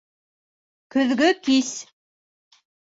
Көҙгө кис